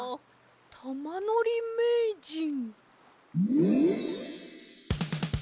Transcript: たまのりめいじん。